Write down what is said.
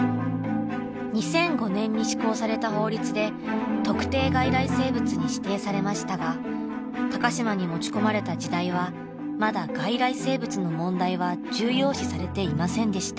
２００５年に施行された法律で特定外来生物に指定されましたが高島に持ち込まれた時代はまだ外来生物の問題は重要視されていませんでした。